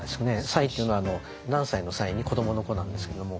「才」っていうのは何才の「才」に子どもの「子」なんですけども。